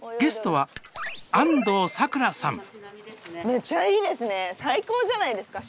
めちゃいいですね。